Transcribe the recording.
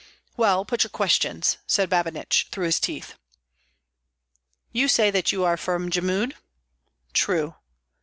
"Well, put your questions!" said Babinich, through his teeth. "You say that you are from Jmud?" "True."